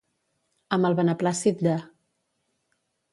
Amb el beneplàcit de.